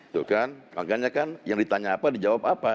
itu kan makanya kan yang ditanya apa dijawab apa